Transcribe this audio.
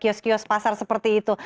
khususnya di kiosk pasar seperti itu